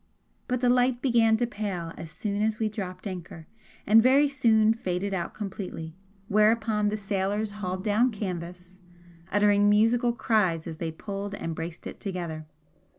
But the light began to pale as soon as we dropped anchor, and very soon faded out completely, whereupon the sailors hauled down canvas, uttering musical cries as they pulled and braced it together.